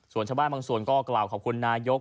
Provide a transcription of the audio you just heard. ส่วนชาวบ้านบางส่วนก็กล่าวขอบคุณนายก